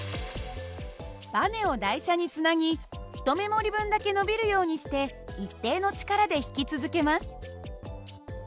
ばねを台車につなぎ１目盛り分だけ伸びるようにして一定の力で引き続けます。